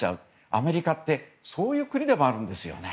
アメリカってそういう国でもあるんですよね。